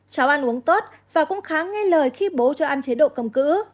cháu ăn uống tốt và cũng khá nghe lời khi bố cho ăn chế độ cầm cự